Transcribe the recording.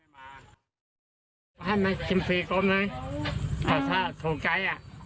ก็ให้มันกินฟรีกลมนะถ้าถูกใจ